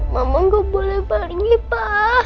mama gak boleh barengin pa